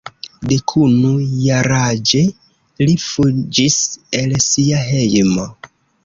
Dekunu jaraĝe li fuĝis el sia hejmo.